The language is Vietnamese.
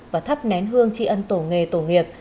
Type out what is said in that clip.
và thắp nến hương chi ân tổ nghề tổ nghiệp